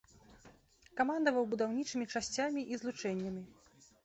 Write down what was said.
Камандаваў будаўнічымі часцямі і злучэннямі.